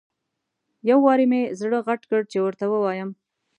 یو وارې مې زړه غټ کړ چې ورته ووایم.